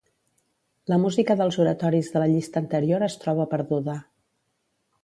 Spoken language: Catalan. La música dels oratoris de la llista anterior es troba perduda.